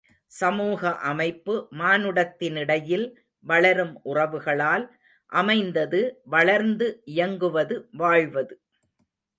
சமூக அமைப்பு மானுடத்தினிடையில் வளரும் உறவுகளால் அமைந்தது வளர்ந்து இயங்குவது வாழ்வது.